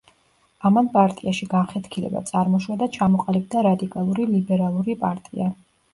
ამან პარტიაში განხეთქილება წარმოშვა და ჩამოყალიბდა რადიკალური ლიბერალური პარტია.